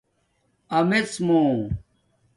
آمڎمُو